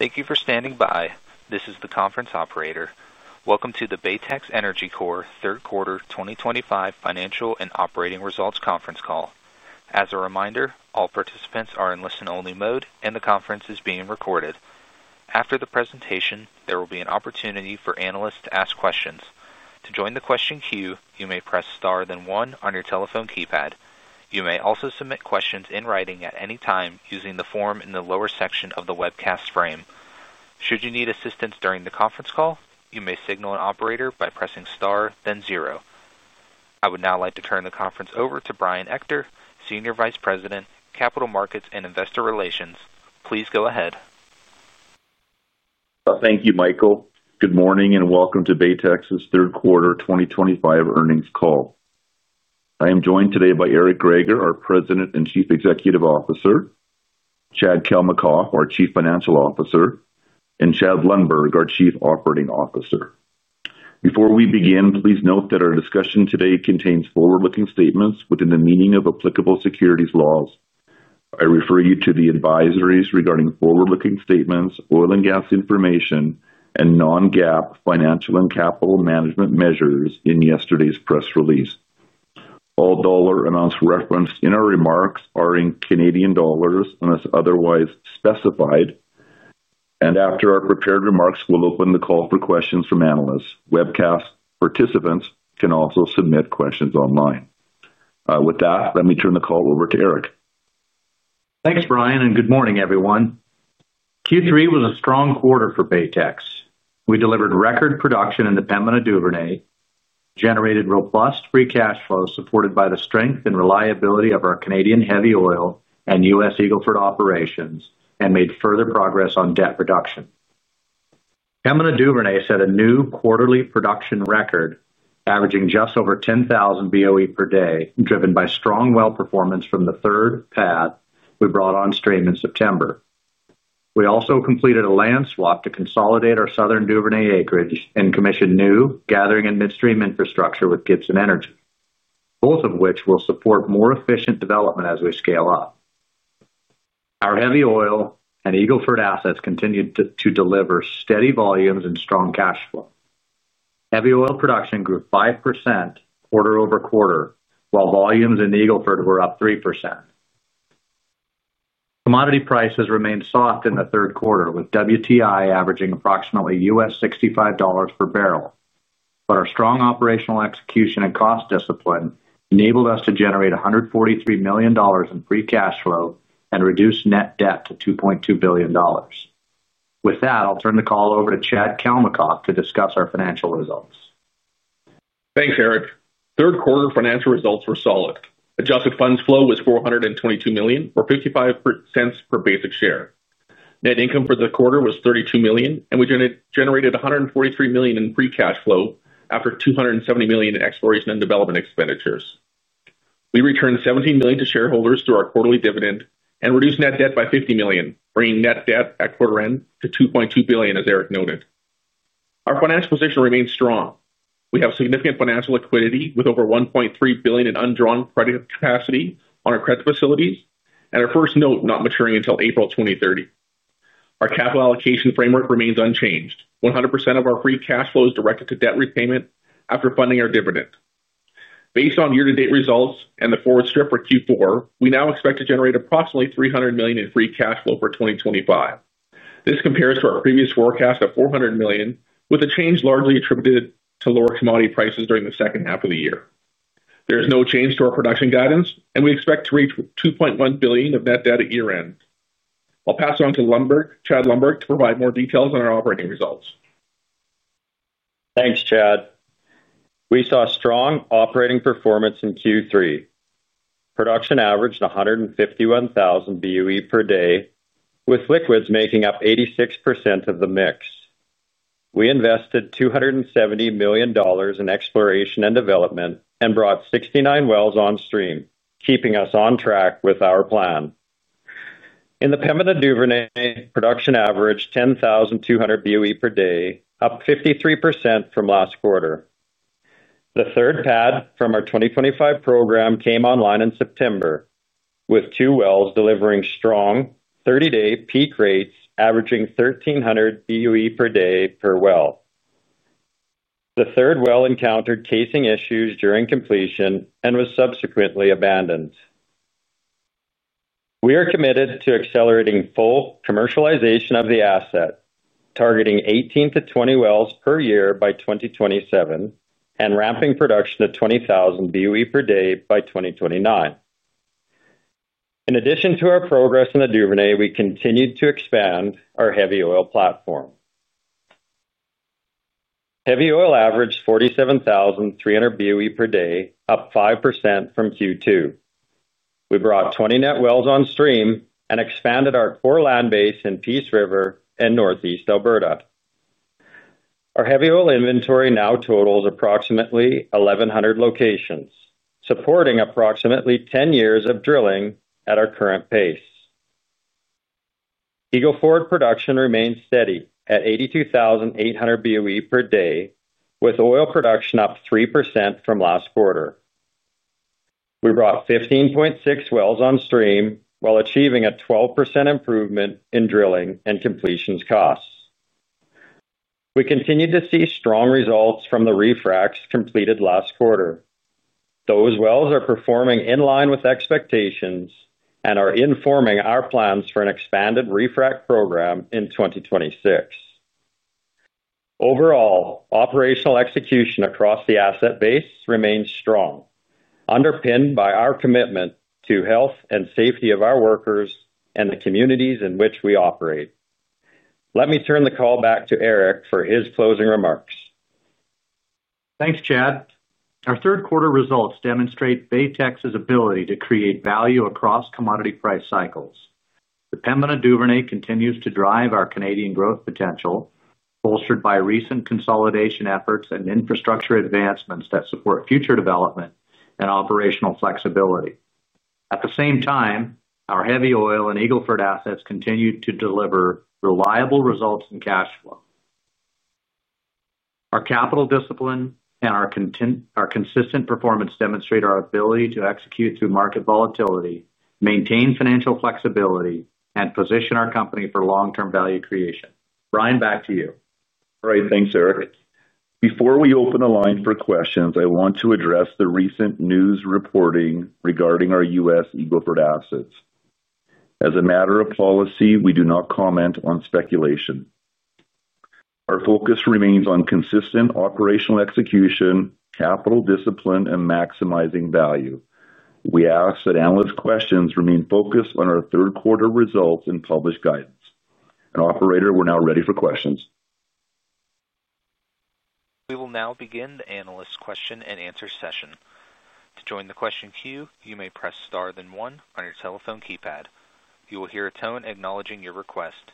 Thank you for standing by. This is the conference operator. Welcome to the Baytex Energy Corp Third Quarter 2025 Financial and Operating Results Conference Call. As a reminder, all participants are in listen-only mode, and the conference is being recorded. After the presentation, there will be an opportunity for analysts to ask questions. To join the question queue, you may press star then one on your telephone keypad. You may also submit questions in writing at any time using the form in the lower section of the webcast frame. Should you need assistance during the conference call, you may signal an operator by pressing star then zero. I would now like to turn the conference over to Brian Ector, Senior Vice President, Capital Markets and Investor Relations. Please go ahead. Thank you, Michael. Good morning and welcome to Baytex Energy Corp.'s Third Quarter 2025 Earnings Call. I am joined today by Eric Greager, our President and Chief Executive Officer, Chad Kalmakoff, our Chief Financial Officer, and Chad Lundberg, our Chief Operating Officer. Before we begin, please note that our discussion today contains forward-looking statements within the meaning of applicable securities laws. I refer you to the advisories regarding forward-looking statements, oil and gas information, and non-GAAP financial and capital management measures in yesterday's press release. All dollar amounts referenced in our remarks are in Canadian dollars unless otherwise specified. After our prepared remarks, we'll open the call for questions from analysts. Webcast participants can also submit questions online. With that, let me turn the call over to Eric. Thanks, Brian, and good morning, everyone. Q3 was a strong quarter for Baytex. We delivered record production in the Pembina Duvernay, generated robust free cash flow supported by the strength and reliability of our Canadian heavy oil and U.S. Eagle Ford operations, and made further progress on debt reduction. Pembina Duvernay set a new quarterly production record, averaging just over 10,000 boe/day, driven by strong well performance from the third pad we brought on stream in September. We also completed a land swap to consolidate our Southern Duvernay acreage and commissioned new gathering and midstream infrastructure with Gibson Energy, both of which will support more efficient development as we scale up. Our heavy oil and Eagle Ford assets continued to deliver steady volumes and strong cash flow. Heavy oil production grew 5% quarter-over-quarter, while volumes in Eagle Ford were up 3%. Commodity prices remained soft in the third quarter, with WTI averaging approximately $65 per barrel. Our strong operational execution and cost discipline enabled us to generate 143 million dollars in free cash flow and reduce net debt to 2.2 billion dollars. With that, I'll turn the call over to Chad Kalmakoff to discuss our financial results. Thanks, Eric. Third quarter financial results were solid. Adjusted funds flow was 422 million, or 0.55 per basic share. Net income for the quarter was 32 million, and we generated 143 million in free cash flow after 270 million in exploration and development expenditures. We returned 17 million to shareholders through our quarterly dividend and reduced net debt by 50 million, bringing net debt at quarter end to 2.2 billion, as Eric noted. Our financial position remains strong. We have significant financial liquidity with over 1.3 billion in undrawn credit capacity on our credit facilities and our first note not maturing until April 2030. Our capital allocation framework remains unchanged. 100% of our free cash flow is directed to debt repayment after funding our dividend. Based on year-to-date results and the forward strip for Q4, we now expect to generate approximately 300 million in free cash flow for 2025. This compares to our previous forecast of 400 million, with a change largely attributed to lower commodity prices during the second half of the year. There is no change to our production guidance, and we expect to reach 2.1 billion of net debt at year-end. I'll pass it on to Chad Lundberg to provide more details on our operating results. Thanks, Chad. We saw strong operating performance in Q3. Production averaged 151,000 boe/day, with liquids making up 86% of the mix. We invested 270 million dollars in exploration and development and brought 69 wells on stream, keeping us on track with our plan. In the Pembina Duvernay, production averaged 10,200 boe/day, up 53% from last quarter. The third pad from our 2025 program came online in September, with two wells delivering strong 30-day peak rates averaging 1,300 boe/day per well. The third well encountered casing issues during completion and was subsequently abandoned. We are committed to accelerating full commercialization of the asset, targeting 18 to 20 wells per year by 2027 and ramping production to 20,000 boe/day by 2029. In addition to our progress in the Duvernay, we continued to expand our heavy oil platform. Heavy oil averaged 47,300 boe/day, up 5% from Q2. We brought 20 net wells on stream and expanded our core land base in Peace River and Northeast Alberta. Our heavy oil inventory now totals approximately 1,100 locations, supporting approximately 10 years of drilling at our current pace. Eagle Ford production remains steady at 82,800 boe/day, with oil production up 3% from last quarter. We brought 15.6 wells on stream while achieving a 12% improvement in drilling and completion costs. We continue to see strong results from the refracts completed last quarter. Those wells are performing in line with expectations and are informing our plans for an expanded refract program in 2026. Overall, operational execution across the asset base remains strong, underpinned by our commitment to the health and safety of our workers and the communities in which we operate. Let me turn the call back to Eric for his closing remarks. Thanks, Chad. Our third quarter results demonstrate Baytex's ability to create value across commodity price cycles. The Pembina Duvernay continues to drive our Canadian growth potential, bolstered by recent consolidation efforts and infrastructure advancements that support future development and operational flexibility. At the same time, our heavy oil and Eagle Ford assets continue to deliver reliable results in cash flow. Our capital discipline and our consistent performance demonstrate our ability to execute through market volatility, maintain financial flexibility, and position our company for long-term value creation. Brian, back to you. All right. Thanks, Eric. Before we open the line for questions, I want to address the recent news reporting regarding our U.S. Eagle Ford assets. As a matter of policy, we do not comment on speculation. Our focus remains on consistent operational execution, capital discipline, and maximizing value. We ask that analyst questions remain focused on our third quarter results and published guidance. Operator, we're now ready for questions. We will now begin the analyst question and answer session. To join the question queue, you may press star then one on your telephone keypad. You will hear a tone acknowledging your request.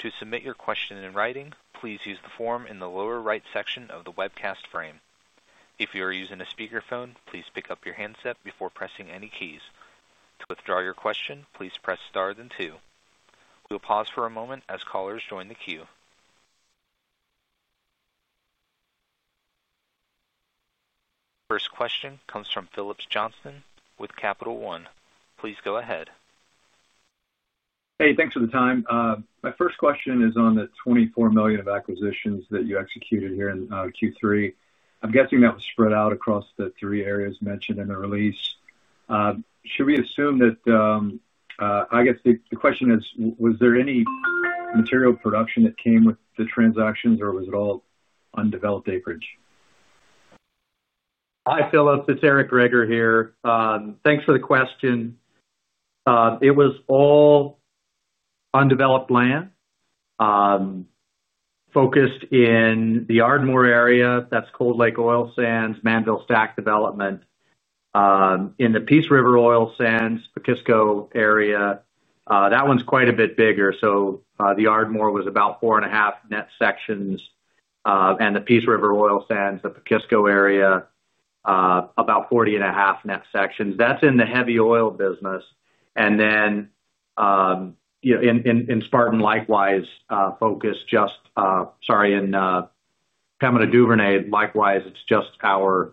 To submit your question in writing, please use the form in the lower right section of the webcast frame. If you are using a speakerphone, please pick up your handset before pressing any keys. To withdraw your question, please press star then two. We'll pause for a moment as callers join the queue. First question comes from Phillips Johnston with Capital One. Please go ahead. Hey, thanks for the time. My first question is on the 24 million of acquisitions that you executed here in Q3. I'm guessing that was spread out across the three areas mentioned in the release. Should we assume that? I guess the question is, was there any material production that came with the transactions, or was it all undeveloped acreage? Hi, Phillips. It's Eric Greager here. Thanks for the question. It was all undeveloped land focused in the Ardmore area. That's Cold Lake oil sands, Mannville stack development. In the Peace River oil sands, Pacusco area, that one's quite a bit bigger. The Ardmore was about 4.5 net sections, and the Peace River oil sands, the Pacusco area, about 40.5 net sections. That's in the heavy oil business. In Pembina Duvernay, likewise, it's just our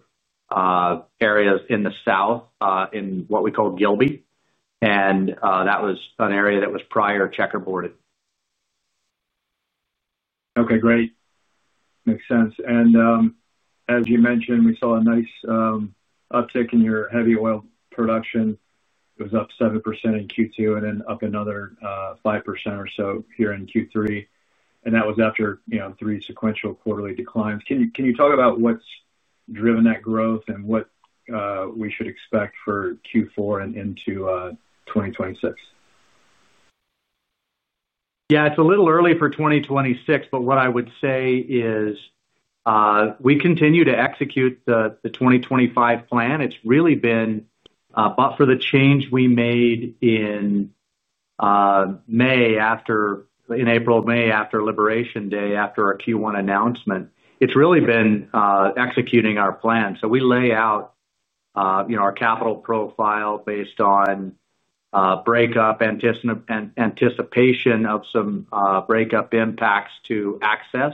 areas in the south in what we call Gilby. That was an area that was prior checkerboarded. Okay, great. Makes sense. As you mentioned, we saw a nice uptick in your heavy oil production. It was up 7% in Q2 and then up another 5% or so here in Q3. That was after three sequential quarterly declines. Can you talk about what's driven that growth and what we should expect for Q4 and into 2026? Yeah, it's a little early for 2026, but what I would say is we continue to execute the 2025 plan. It's really been, but for the change we made in April, May after Liberation Day, after our Q1 announcement, it's really been executing our plan. We lay out our capital profile based on breakup and anticipation of some breakup impacts to access.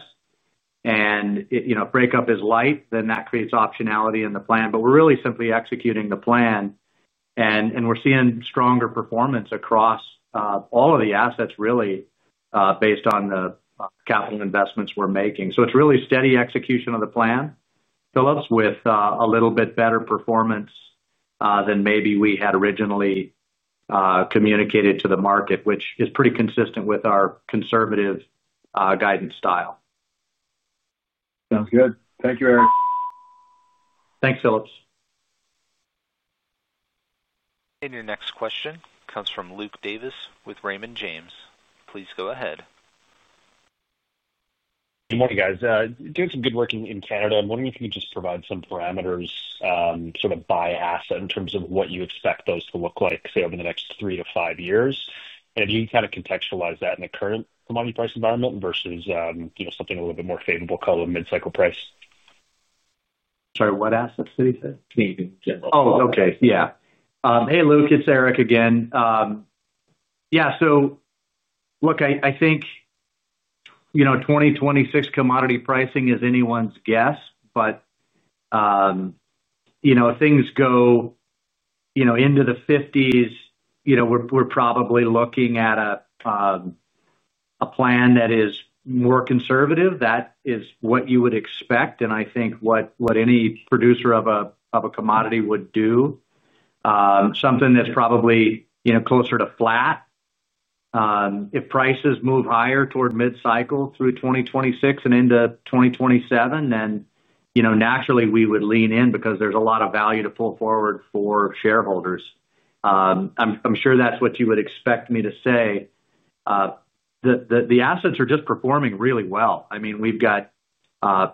If breakup is light, then that creates optionality in the plan. We're really simply executing the plan, and we're seeing stronger performance across all of the assets, really, based on the capital investments we're making. It's really steady execution of the plan, Phillips, with a little bit better performance than maybe we had originally communicated to the market, which is pretty consistent with our conservative guidance style. Sounds good. Thank you, Eric. Thanks, Phillips. Your next question comes from Luke Davis with Raymond James. Please go ahead. Good morning, guys. Doing some good work in Canada. I'm wondering if you could just provide some parameters sort of by asset in terms of what you expect those to look like, say, over the next three to five years. If you can kind of contextualize that in the current commodity price environment versus something a little bit more favorable, call it a mid-cycle price. Sorry, what assets did he say? Oh, okay. Yeah. Hey, Luke, it's Eric again. Yeah, so look, I think 2026 commodity pricing is anyone's guess, but if things go into the CAD 50s, we're probably looking at a plan that is more conservative. That is what you would expect, and I think what any producer of a commodity would do. Something that's probably closer to flat. If prices move higher toward mid-cycle through 2026 and into 2027, then naturally, we would lean in because there's a lot of value to pull forward for shareholders. I'm sure that's what you would expect me to say. The assets are just performing really well. I mean, we've got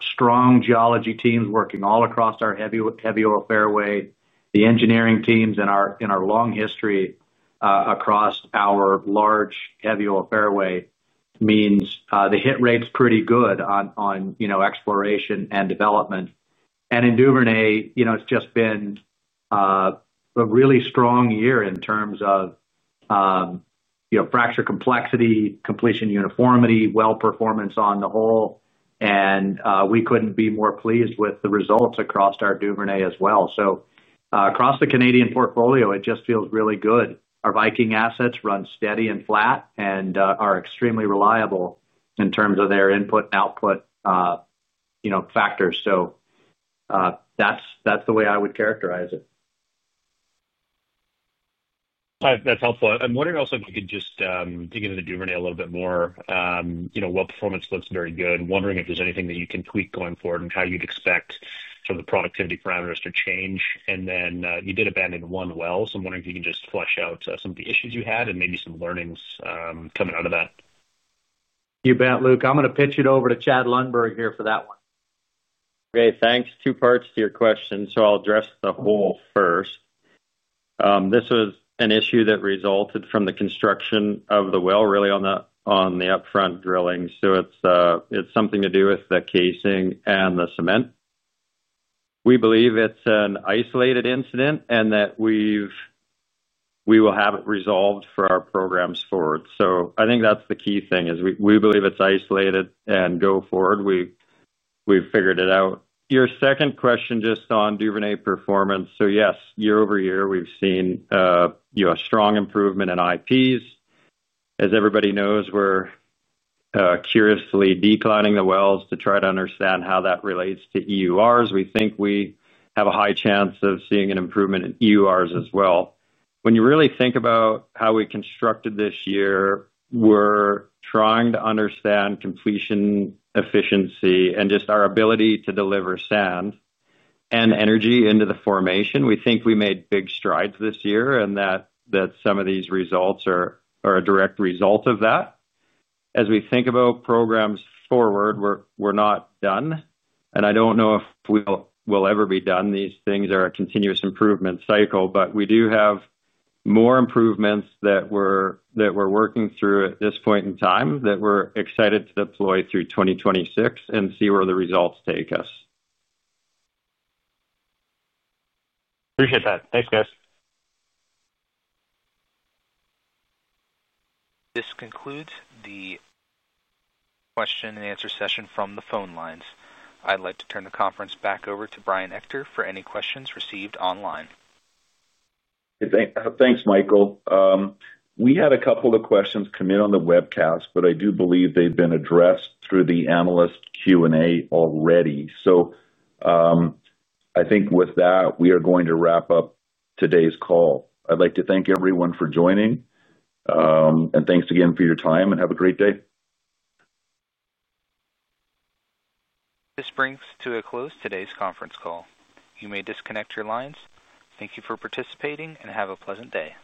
strong geology teams working all across our heavy oil fairway. The engineering teams in our long history across our large heavy oil fairway means they hit rates pretty good on exploration and development. In Duvernay, it's just been a really strong year in terms of fracture complexity, completion uniformity, well performance on the whole. We couldn't be more pleased with the results across our Duvernay as well. Across the Canadian portfolio, it just feels really good. Our Viking assets run steady and flat and are extremely reliable in terms of their input and output factors. That's the way I would characterize it. That's helpful. I'm wondering also if you could just dig into the Duvernay a little bit more. Well performance looks very good. I'm wondering if there's anything that you can tweak going forward and how you'd expect some of the productivity parameters to change. You did abandon one well, so I'm wondering if you can just flesh out some of the issues you had and maybe some learnings coming out of that. You bet, Luke. I'm going to pitch it over to Chad Lundberg here for that one. Okay, thanks. Two parts to your question. I'll address the whole first. This was an issue that resulted from the construction of the well, really, on the upfront drilling. It's something to do with the casing and the cement. We believe it's an isolated incident and that we will have it resolved for our programs forward. I think that's the key thing, we believe it's isolated and go forward. We've figured it out. Your second question, just on Duvernay performance. Yes, year over year, we've seen a strong improvement in IPs. As everybody knows, we're curiously declining the wells to try to understand how that relates to EURs. We think we have a high chance of seeing an improvement in EURs as well. When you really think about how we constructed this year, we're trying to understand completion efficiency and just our ability to deliver sand and energy into the formation. We think we made big strides this year and that some of these results are a direct result of that. As we think about programs forward, we're not done. I don't know if we'll ever be done. These things are a continuous improvement cycle, but we do have more improvements that we're working through at this point in time that we're excited to deploy through 2026 and see where the results take us. Appreciate that. Thanks, guys. This concludes the question and answer session from the phone lines. I'd like to turn the conference back over to Brian Ector for any questions received online. Thanks, Michael. We had a couple of questions come in on the webcast, but I do believe they've been addressed through the analyst Q&A already. I think with that, we are going to wrap up today's call. I'd like to thank everyone for joining. Thanks again for your time and have a great day. This brings to a close today's conference call. You may disconnect your lines. Thank you for participating and have a pleasant day.